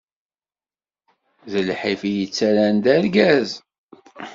D lḥif i yettaran d argaz!